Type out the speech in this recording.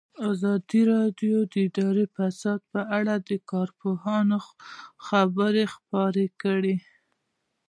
ازادي راډیو د اداري فساد په اړه د کارپوهانو خبرې خپرې کړي.